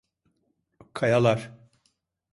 Kayalar!